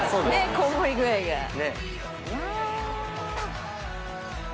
こんもり具合が。わ。